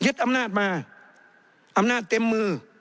อำนาจมาอำนาจเต็มมือ